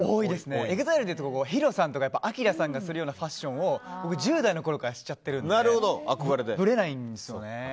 ＥＸＩＬＥでいうとＨＩＲＯさんとかＡＫＩＲＡさんがするようなファッションを１０代のことからしちゃっているのでぶれないんですよね。